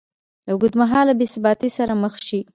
له اوږدمهاله بېثباتۍ سره مخ شي